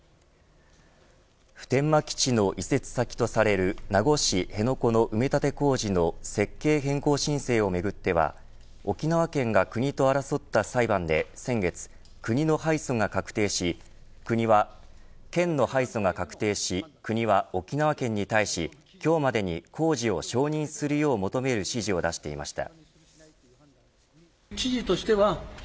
普天間基地の移設先とされる名護市辺野古の埋め立て工事の設計変更申請をめぐっては沖縄県が国と争った裁判で先月県の敗訴が確定し国は沖縄県に対し今日までに工事を承認するよう求める指示を出していました。